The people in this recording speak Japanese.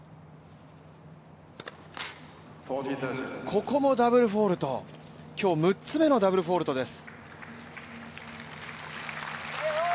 ここもダブルフォルト今日６つ目のダブルフォルトです。